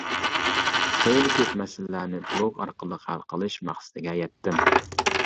خېلى كۆپ مەسىلىلەرنى بىلوگ ئارقىلىق ھەل قىلىش مەقسىتىگە يەتتىم.